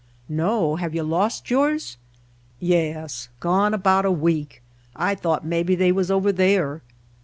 "No. Have you lost yours?" "Yes. Gone about a week. I thought maybe they was over there."